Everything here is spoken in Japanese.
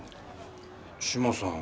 志麻さん。